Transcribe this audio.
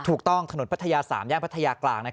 ถูกต้องถนนพัทยา๓ย่างพัทยากลาง